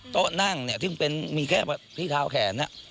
โต๊ะนั่งเนี่ยซึ่งเป็นมีแค่ที่เท้าแขน